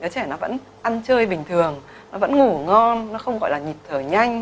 đứa trẻ nó vẫn ăn chơi bình thường nó vẫn ngủ ngon nó không gọi là nhịp thở nhanh